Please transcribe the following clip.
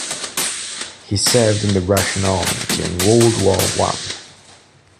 He served in the Russian army during World War One.